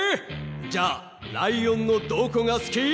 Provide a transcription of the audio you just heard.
じゃあライオンのどこがすき？